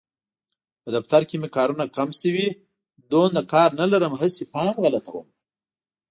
په دفتر کې مې کارونه کم شوي، دومره کار نه لرم هسې پام غلطوم.